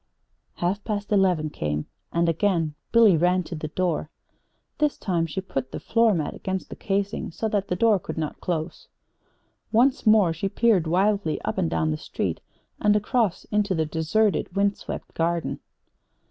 Half past eleven came, and again Billy ran to the door. This time she put the floor mat against the casing so that the door could not close. Once more she peered wildly up and down the street, and across into the deserted, wind swept Garden.